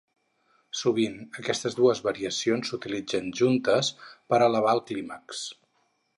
Sovint, aquestes dues variacions s'utilitzen juntes per elevar el clímax.